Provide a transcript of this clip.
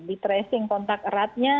di tracing kontak eratnya